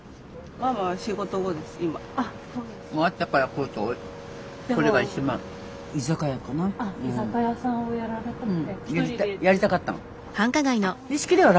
あっ居酒屋さんをやられてて。